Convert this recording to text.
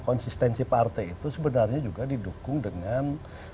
konsistensi partai itu sebenarnya juga didukung dengan